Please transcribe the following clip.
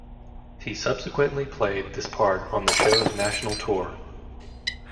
He subsequently played this part on the show's national tour.